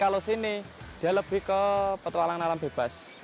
kalau sini dia lebih ke petualang alam bebas